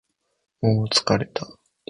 もう疲れた